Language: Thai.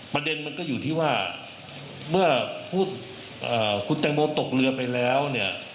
มันก็อยู่ที่ว่าเมื่อคุณแตงโมตกเรือไปแล้วเนี่ย